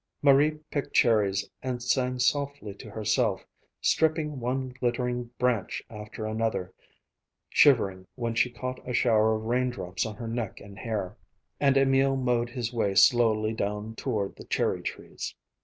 Marie picked cherries and sang softly to herself, stripping one glittering branch after another, shivering when she caught a shower of raindrops on her neck and hair. And Emil mowed his way slowly down toward the cherry trees.